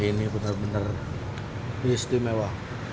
ini benar benar istimewa